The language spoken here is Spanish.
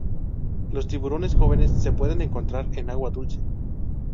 Los tiburones jóvenes se pueden encontrar en agua dulce.